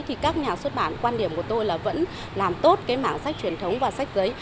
thì các nhà xuất bản quan điểm của tôi là vẫn làm tốt cái mảng sách truyền thống và sách giấy